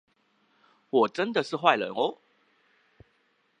我真的是壞人喔